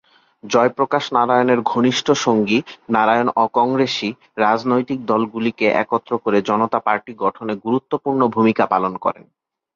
জয়প্রকাশ নারায়ণের ঘনিষ্ঠ সঙ্গী নারায়ণ অ-কংরেসী রাজনৈতিক দলগুলিকে একত্র করে জনতা পার্টি গঠনে গুরুত্বপূর্ণ ভূমিকা পালন করেন।